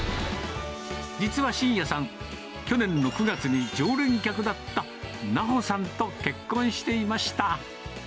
実は真也さん、去年の９月に、常連客だった、奈穂さんと結婚していました。